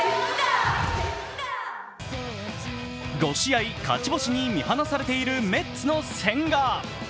５試合、勝ち星に見放されているメッツの千賀。